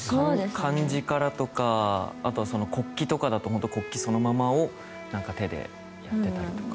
漢字からとか、国旗とかだと国旗そのままを手でやってたりとか。